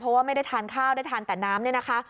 เพราะว่าไม่ได้ทานข้าวได้ทานแต่น้ำเนี่ยนะคะ